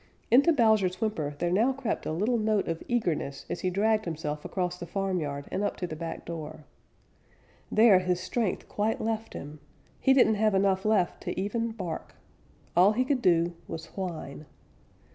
Into Bowser's whimper there now crept a little note of eagerness as he dragged himself across the farmyard and up to the back door. There his strength quite left him. He didn't have enough left to even bark. All he could do was whine.